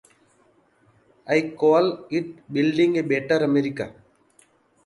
I call it building a better America.